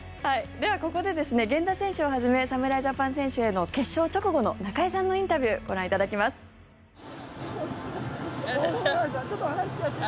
では、ここで源田選手をはじめ侍ジャパン選手への決勝直後の中居さんのインタビューご覧いただきます。お疲れ様でした。